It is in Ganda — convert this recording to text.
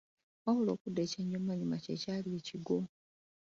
Wabula okudd ekyennyumannyuma kye kyali ekigwo.